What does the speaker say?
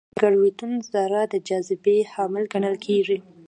د ګرویتون ذره د جاذبې حامل ګڼل کېږي.